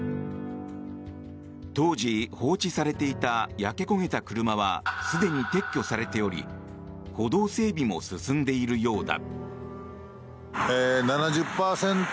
当時、放置されていた焼け焦げた車はすでに撤去されており歩道整備も進んでいるようだ。